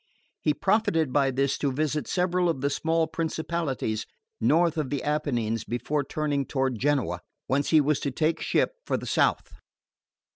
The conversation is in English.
He profited by this to visit several of the small principalities north of the Apennines before turning toward Genoa, whence he was to take ship for the South.